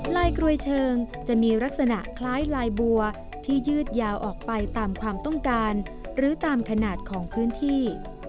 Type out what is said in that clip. กรวยเชิงจะมีลักษณะคล้ายลายบัวที่ยืดยาวออกไปตามความต้องการหรือตามขนาดของพื้นที่